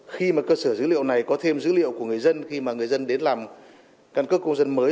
khi mà cơ sở dữ liệu này có thêm dữ liệu của người dân khi mà người dân đến làm căn cước công dân mới